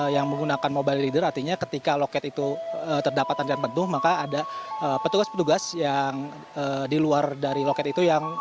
yang menjual tiketnya maka anda rakyat